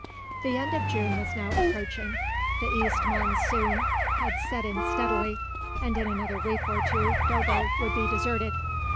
The end of June was now approaching, the east monsoon had set in steadily, and in another week or two Dobbo would be deserted.